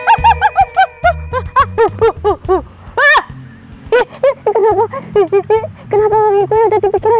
ngapain sih bayangin kiri keselin mukanya